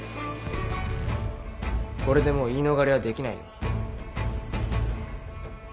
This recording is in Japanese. これでもう言い逃れはできないよ。